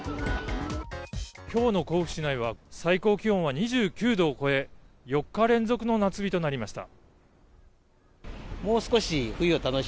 今日の甲府市内は最高気温は２９度を超え４日連続の夏日となりました。